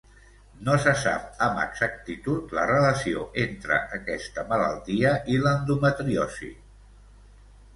No se sap amb exactitud la relació entre aquesta malaltia i l'endometriosi.